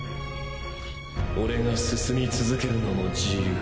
オレが進み続けるのも自由。